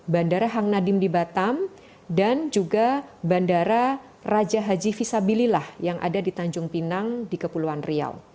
bandara hang nadim di batam dan juga bandara raja haji visabililah yang ada di tanjung pinang di kepulauan riau